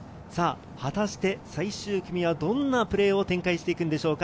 果たして最終組はどんなプレーを展開していくんでしょうか。